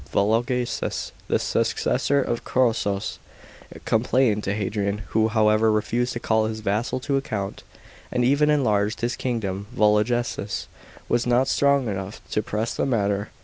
Volo geses, the successor of Chosroes, complained to Hadrian, who, however, refused to call his vassal to account, and even enlarged his kingdom. Vologeses was not strong enough to press the matter.